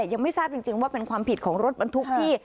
ยังไม่ทราบจริงว่าเป็นความผิดของรถบรรทุกที่